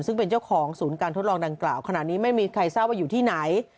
ซึ่งเป็นเจ้าของศูนย์การทดลองดังกล่าวขณะนี้ไม่มีใครทราบว่าอยู่ที่ไหน